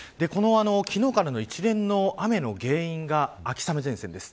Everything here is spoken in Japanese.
昨日からの一連の雨の原因が秋雨前線です。